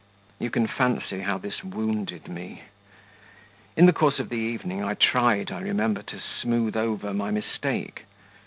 You can fancy how this wounded me! In the course of the evening I tried, I remember, to smooth over my mistake.